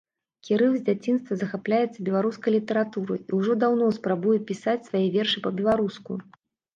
Кірыл з дзяцінства захапляецца беларускай літаратурай і ўжо даўно спрабуе пісаць свае вершы па-беларуску.